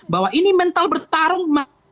bahwa ini mental bertarung